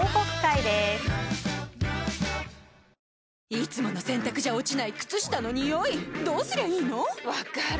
いつもの洗たくじゃ落ちない靴下のニオイどうすりゃいいの⁉分かる。